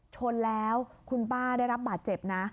ชนแล้วคุณป้าได้รับบาดเจ็บนะ